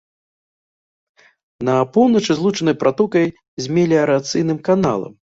На поўначы злучаны пратокай з меліярацыйным каналам.